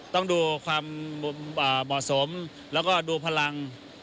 ต้องดูความเหมาะสมแล้วก็ดูพลัง